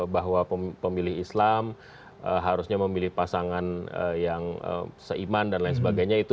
bahwa pemilih islam harusnya memilih pasangan yang seiman dan lain sebagainya